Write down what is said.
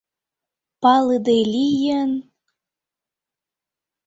Палыде лийын...